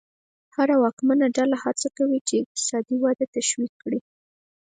هره واکمنه ډله هڅه کوي چې اقتصادي وده تشویق کړي.